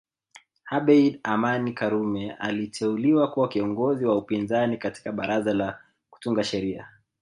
Abeid Amani Karume aliteuliwa kuwa kiongozi wa upinzani katika baraza la kutunga sheria